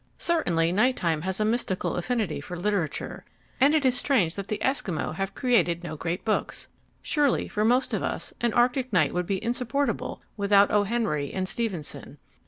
Certainly night time has a mystic affinity for literature, and it is strange that the Esquimaux have created no great books. Surely, for most of us, an arctic night would be insupportable without O. Henry and Stevenson.